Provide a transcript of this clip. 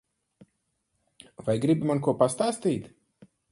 Vai gribi man ko pastāstīt?